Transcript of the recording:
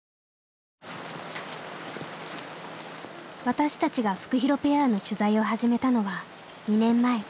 私たちがフクヒロペアの取材を始めたのは２年前。